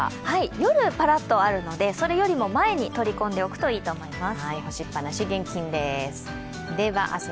夜パラッとあるので、それより前に取り込んでおくといいです。